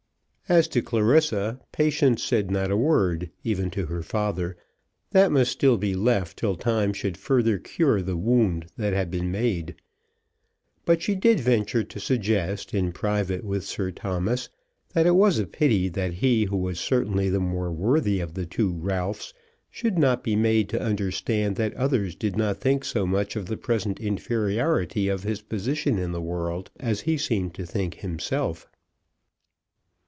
As to Clarissa, Patience said not a word, even to her father, that must still be left till time should further cure the wound that had been made; but she did venture to suggest, in private with Sir Thomas, that it was a pity that he who was certainly the more worthy of the two Ralphs should not be made to understand that others did not think so much of the present inferiority of his position in the world as he seemed to think himself.